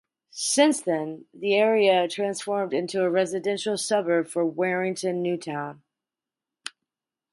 Since then, the area transformed into a residential suburb for Warrington New Town.